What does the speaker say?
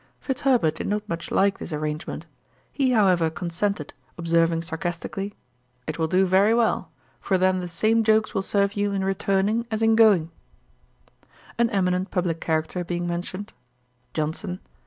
Fitzherbert did not much like this arrangement. He however consented, observing sarcastically, 'It will do very well; for then the same jokes will serve you in returning as in going.' An eminent publick character being mentioned; JOHNSON.